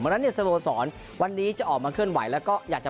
วันนั้นเนี่ยสโมกศรวันนี้จะออกมาเคลื่อนไหว